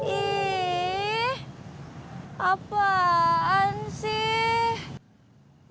eh apaan sih